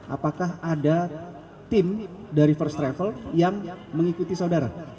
apakah ada tim dari first travel yang mengikuti saudara